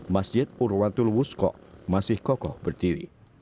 masjid urwatul wusko masih kokoh berdiri